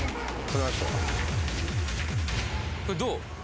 これどう？